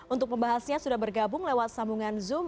untuk pembahasnya sudah bergabung lewat sambungan zoom